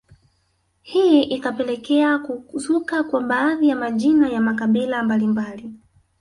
Hii ikapekelekea kuzuka kwa baadhi ya majina ya makabila mbalimbali